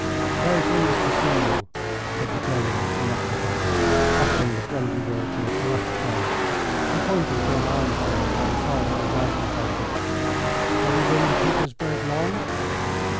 "Very pleased to see you," said the General to Nekhludoff, uttering the friendly words in a gruff tone, and pointing to an armchair by the side of the writing table. "Have you been in Petersburg long?"